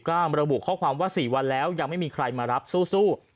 ก็ระบุข้อความว่า๔วันแล้วยังไม่มีใครมารับสู้